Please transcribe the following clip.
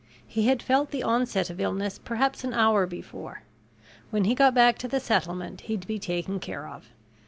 He had felt the onset of illness perhaps an hour before. When he got back to the settlement he'd be taken care of.